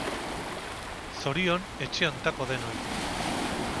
Zorion, etxe hontako denoi.